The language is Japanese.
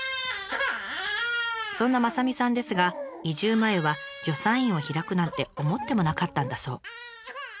そんな雅美さんですが移住前は助産院を開くなんて思ってもなかったんだそう。